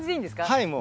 はいもう。